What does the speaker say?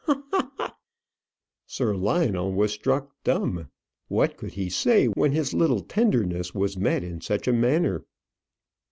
ha! ha!" Sir Lionel was struck dumb. What could he say when his little tenderness was met in such a manner?